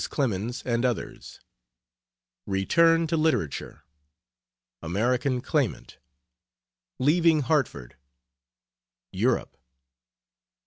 CLEMENS AND OTHERS. RETURN TO LITERATURE. AMERICAN CLAIMANT. LEAVING HARTFORD. EUROPE.